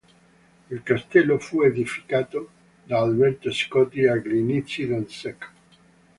Il castello fu edificato da Alberto Scotti agli inizi del sec.